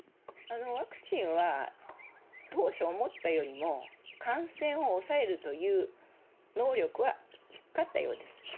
ワクチンは当初思ったよりも、感染を抑えるという能力は低かったようです。